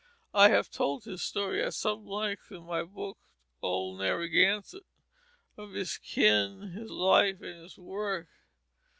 I have told his story at some length in my book, Old Narragansett, of his kin, his life, his work.